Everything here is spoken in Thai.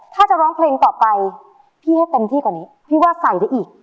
ถ้าจะร้องเพลงต่อไปพี่ให้เต็มที่กว่านี้พี่ว่าใส่ได้อีก